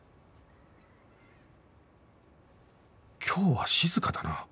今日は静かだな